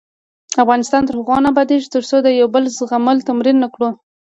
افغانستان تر هغو نه ابادیږي، ترڅو د یو بل زغمل تمرین نکړو.